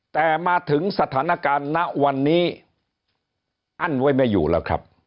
แต่มาถึงสถานการณ์ณวันนี้อั้นไว้ไม่อยู่แล้วครับ